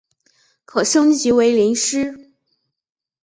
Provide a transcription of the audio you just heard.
可升级成麟师。